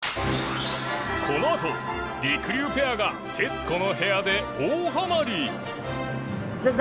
このあとりくりゅうペアが『徹子の部屋』で大ハマり